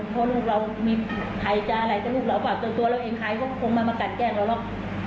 เพราะลูกเรามีใครจะอะไรกับลูกเราเปล่าแต่ตัวเราเองใครก็คงไม่มากัดแกล้งเราหรอก